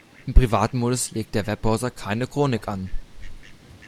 Im privaten Modus legt der Webbrowser keine Chronik an.